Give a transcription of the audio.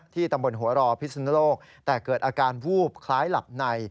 ตำบลหัวรอพิศนุโลกแต่เกิดอาการวูบคล้ายหลับใน